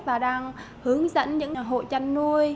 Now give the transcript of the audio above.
và đang hướng dẫn những hộ chanh nuôi